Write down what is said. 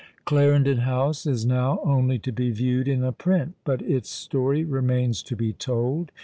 Clarendon House is now only to be viewed in a print; but its story remains to be told.